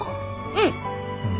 うん。